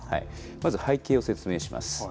まず背景を説明します。